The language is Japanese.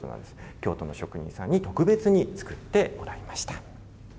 京都の職人さんに特別に作ってもらいました。